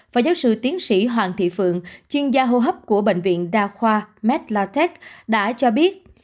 phó giáo sư tiến sĩ hoàng thị phượng chuyên gia hô hấp của bệnh viện đa khoa meslatech đã cho biết